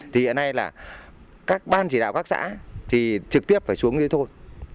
thì hiện nay là các ban chỉ đạo các xã thì trực tiếp phải xuống cái thôn